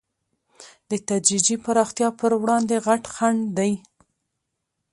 د تدریجي پراختیا پر وړاندې غټ خنډ دی.